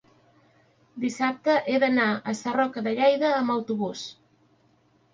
dissabte he d'anar a Sarroca de Lleida amb autobús.